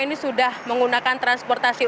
ini sudah menggunakan transportasi